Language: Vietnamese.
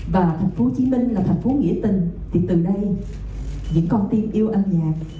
và tp hcm là thành phố nghĩa tình thì từ đây những con tim yêu âm nhạc